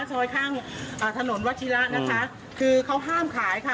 ซอยข้างอ่าถนนวัชิระนะคะคือเขาห้ามขายค่ะ